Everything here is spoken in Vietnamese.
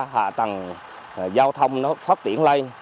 hạ tầng giao thông nó phát triển lên